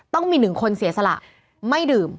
ต้องมีหนึ่งคนเสียสละไม่ดื่ม